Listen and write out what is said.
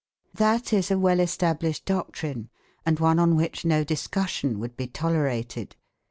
That is a well established doctrine and one on which no discussion would be tolerated.